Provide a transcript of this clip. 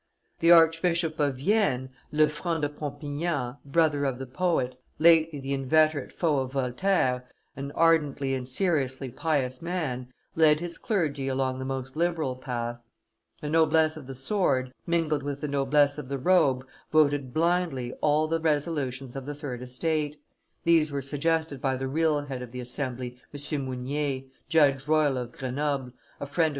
The Archbishop of Vienne, Lefranc de Pompignan, brother of the poet, lately the inveterate foe of Voltaire, an ardently and sincerely pious man, led his clergy along the most liberal path; the noblesse of the sword, mingled with the noblesse of the robe, voted blindly all the resolutions of the third estate; these were suggested by the real head of the assembly, M. Mounier, judge royal of Grenoble, a friend of M.